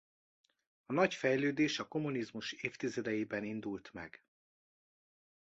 A nagy fejlődés a kommunizmus évtizedeiben indult meg.